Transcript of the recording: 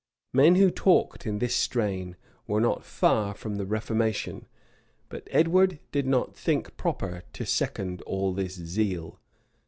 [] Men who talked in this strain, were not far from the reformation: but Edward did not think proper to second all this zeal.